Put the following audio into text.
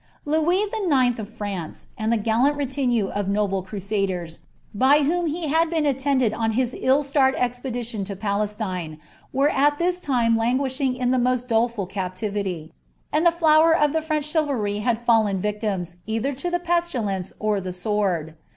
' Louis JX. of France, and the gallant retinue of noble crusaders, by whom he had been attended on his ill starred expedition to Palestine, were at this time languishing in the most doleful captivity, and the flower of the French chivalry had fallen victims, either to the pestilence, or the sword.